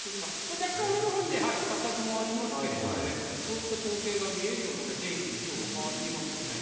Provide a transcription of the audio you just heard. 若干、上の方にかさ雲がありますがそういった光景が見えるような天気に今日は変わっています。